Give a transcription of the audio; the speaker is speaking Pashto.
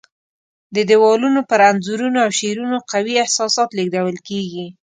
د دیوالونو پر انځورونو او شعرونو قوي احساسات لېږدول کېږي.